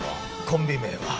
コンビ名は。